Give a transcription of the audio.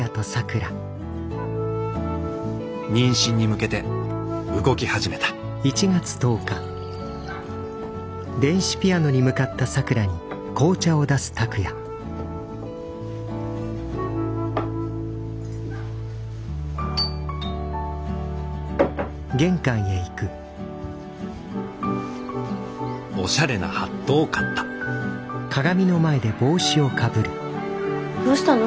妊娠に向けて動き始めた・おしゃれなハットを買ったどうしたの？